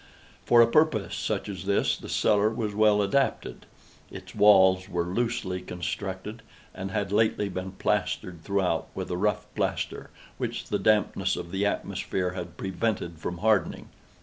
For a purpose such as this the cellar was well adapted. Its walls were loosely constructed, and had lately been plastered throughout with a rough plaster, which the dampness of the atmosphere had prevented from hardening.